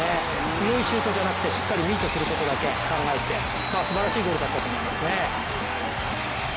強いシュートじゃなくてしっかりミートすることだけ考えてすばらしいゴールだったと思いますね。